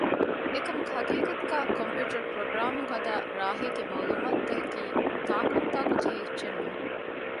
އެކަމަކު ޙަޤީޤަތުގައި ކޮމްޕިއުޓަރު ޕްރޮގްރާމުން ހަދާ ރާހީގެ މަޢުލޫމާތު ތަކަކީ ތާނކުންތާކު ޖެހޭ އެއްޗެއް ނޫން